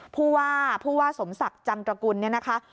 ผู้ว่าสมศักดิ์จำตระกุลเนี่ยนะคะ